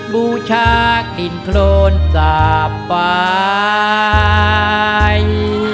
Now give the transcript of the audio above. บูชากลิ่นโครนตาปาย